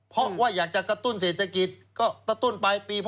เพราะว่าอยากจะกระตุ้นเศรษฐกิจก็กระตุ้นปลายปี